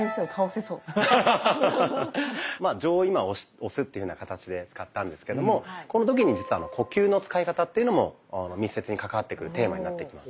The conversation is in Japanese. まあ杖を今押すっていうふうな形で使ったんですけどもこの時に実は呼吸の使い方っていうのも密接に関わってくるテーマになってきます。